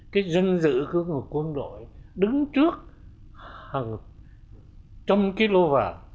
cái dân dự của quân đội đứng trước hàng trăm kí lô vàng